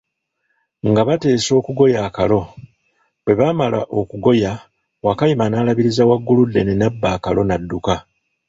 Nga bateesa okugoya akalo, bwebaamala okugoya, Wakayima naalabiriza Wagguluddene nabba akalo nadduka.